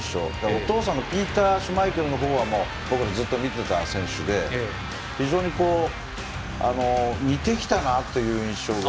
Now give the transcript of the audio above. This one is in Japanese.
お父さんのピーター・シュマイケルは僕らずっと見ていた選手で非常に似てきたなという印象が。